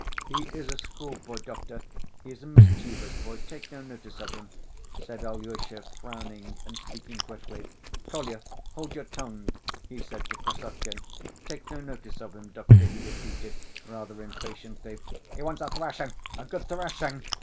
"He is a schoolboy, doctor, he is a mischievous boy; take no notice of him," said Alyosha, frowning and speaking quickly. "Kolya, hold your tongue!" he cried to Krassotkin. "Take no notice of him, doctor," he repeated, rather impatiently. "He wants a thrashing, a good thrashing!"